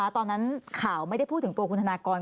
ตอนนั้นข่าวไม่ได้พูดถึงตัวคุณธนากร